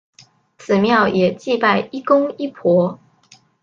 此庙也祭拜医公医婆。